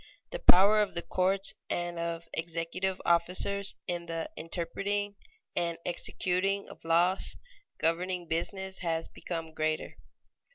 _The power of the courts and of executive officers in the interpreting and executing of laws governing business has become greater.